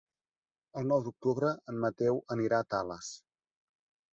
El nou d'octubre en Mateu anirà a Tales.